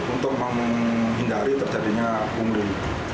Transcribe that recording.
untuk menghindari terjadinya umri